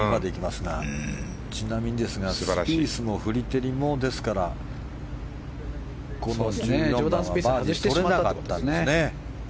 ちなみにですがスピースもフリテリもこの１４番はバーディーとれなかったんですね。